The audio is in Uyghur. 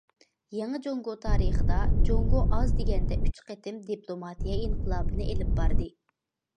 يېڭى جۇڭگو تارىخىدا، جۇڭگو ئاز دېگەندە ئۇچ قېتىم دىپلوماتىيە ئىنقىلابىنى ئىلىپ باردى.